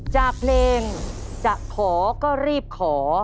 จากเพลงจะขอก็รีบขอ